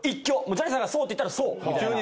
ジャニーさんがそうって言ったらそうみたいな。